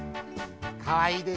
かわいいでしょ？